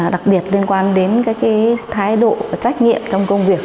đặc biệt liên quan đến cái cái thái độ trách nhiệm trong công việc